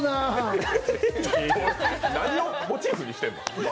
何をモチーフにしてんの？